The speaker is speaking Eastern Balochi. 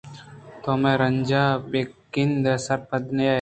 تو مئے رنج ءَبہ گندے سرپد نئے